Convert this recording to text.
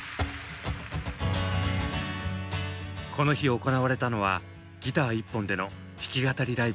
この日行われたのはギター１本での弾き語りライブ。